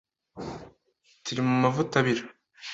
Turi mu mavuta abira.